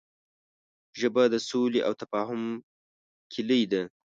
ژبه د سولې او تفاهم کلۍ ده